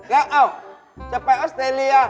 แล้วจะไปออสเตรียา